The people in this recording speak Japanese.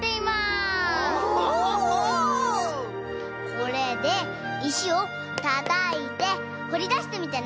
これでいしをたたいてほりだしてみてね。